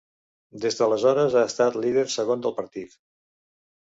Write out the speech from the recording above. Des d'aleshores ha estat Líder Segon del partit.